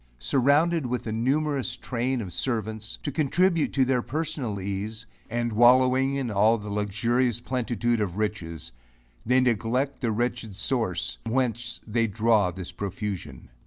Surrounded with a numerous train of servants, to contribute to their personal ease, and wallowing in all the luxurious plenitude of riches, they neglect the wretched source, whence they draw this profusion.